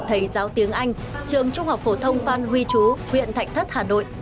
thầy giáo tiếng anh trường trung học phổ thông phan huy chú huyện thạnh thất hà nội